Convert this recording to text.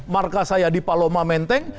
markas saya di paloma menteng